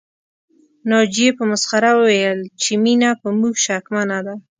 ناجيې په مسخره وويل چې مينه په موږ شکمنه ده